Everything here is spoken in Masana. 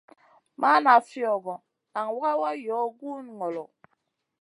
Mana fiogo, nan wawa yow gu ŋolo.